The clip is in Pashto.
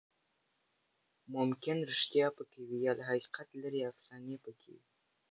ممکن ریښتیا پکې وي، یا له حقیقت لرې افسانې پکې وي.